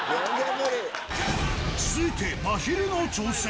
続いて、まひるの挑戦。